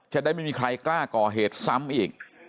จะได้ไม่มีใครกล้าก่อเหตุซ้ำอีก